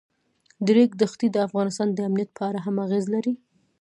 د ریګ دښتې د افغانستان د امنیت په اړه هم اغېز لري.